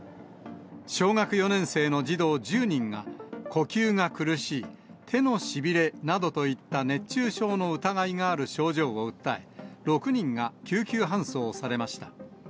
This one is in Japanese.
小学４年生の児童１０人が、呼吸が苦しい、手のしびれなどといった熱中症の疑いがある症状を訴え、６人が救急搬送されました。